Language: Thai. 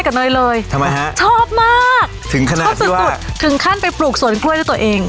ได้กับหน่อยเลยทำไมฮะชอบมากถึงขนาดที่ว่าถึงขั้นไปปลูกสวนกล้วยด้วยตัวเอง